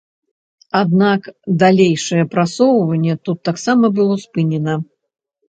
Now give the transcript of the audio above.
Аднак далейшае прасоўванне тут таксама было спынена.